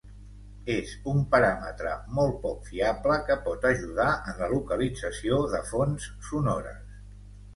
És un paràmetre molt poc fiable que pot ajudar en la localització de fonts sonores.